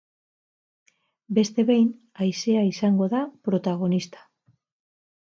Beste behin, haizea izango da protagonista.